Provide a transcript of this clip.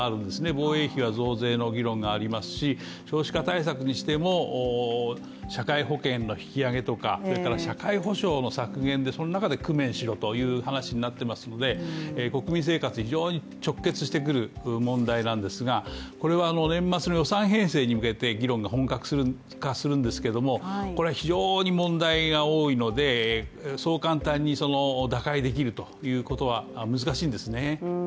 防衛費は増税の議論がありますし、少子化対策にしても、社会保険の引き上げとかそれから社会保障の削減でその中で工面しろという話になっていますので国民生活、非常に直結してくる問題なんですが、これは年末の予算編成に向けて議論が本格化するんですけれどもこれは非常に問題が多いのでそう簡単に打開できるということは難しいんですね。